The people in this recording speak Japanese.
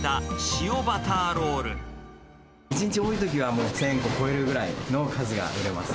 １日に多いときは、１０００個超えるぐらいの数が売れます。